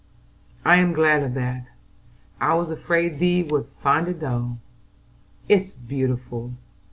"I am glad of that: I was afraid thee would find it dull." "It's beautiful!"